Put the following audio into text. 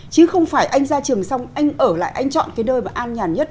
chứ không phải anh ra trường xong anh ở lại anh chọn cái nơi mà an nhàn nhất